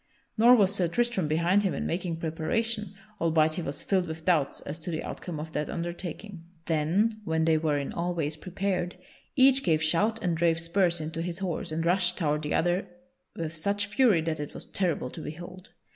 Nor was Sir Tristram behind him in making preparation, albeit he was filled with doubts as to the outcome of that undertaking. [Sidenote: Sir Tristram is wounded] Then when they were in all ways prepared, each gave shout and drave spurs into his horse and rushed toward the other with such fury that it was terrible to behold.